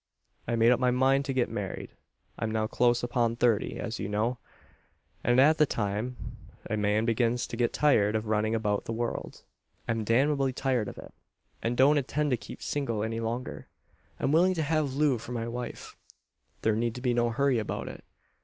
I've made up my mind to get married. I'm now close upon thirty as you know; and at that time a man begins to get tired of running about the world. I'm damnably tired of it; and don't intend to keep single any longer. I'm willing to have Loo for my wife. There need be no hurry about it.